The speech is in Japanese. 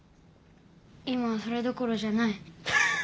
今はそれどころじゃない。